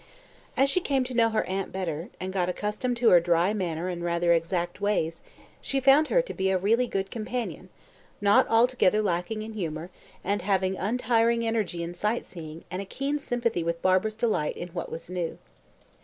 As she came to know her aunt better, and got accustomed to her dry manner and rather exact ways, she found her to be a really good companion, not altogether lacking in humour, and having untiring energy in sight seeing and a keen sympathy with Barbara's delight in what was new.